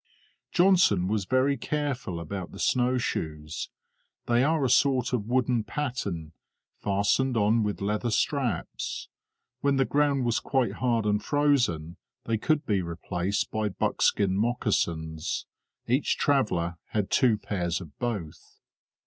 Johnson was very careful about the snow shoes; they are a sort of wooden patten, fastened on with leather straps; when the ground was quite hard and frozen they could be replaced by buckskin moccasins; each traveller had two pairs of both.